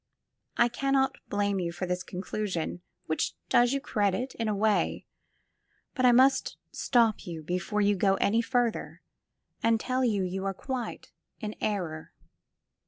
I cannot blame you for this conclusion, which does you credit, in a way, but I must stop you before you go any further and tell you that you are quite in error.